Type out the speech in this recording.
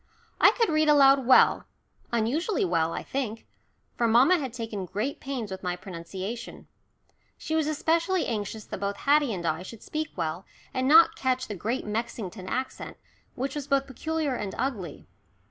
I could read aloud well, unusually well, I think, for mamma had taken great pains with my pronunciation. She was especially anxious that both Haddie and I should speak well, and not catch the Great Mexington accent, which was both peculiar and ugly.